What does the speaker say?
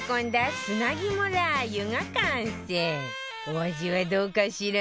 お味はどうかしら？